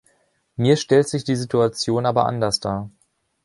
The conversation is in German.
Mir stellt sich die Situation aber anders dar.